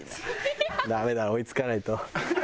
ダメだ追いつかないと。